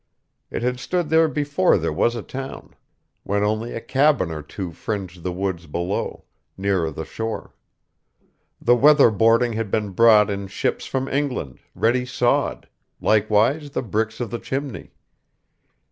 It had stood there before there was a town, when only a cabin or two fringed the woods below, nearer the shore. The weather boarding had been brought in ships from England, ready sawed; likewise the bricks of the chimney.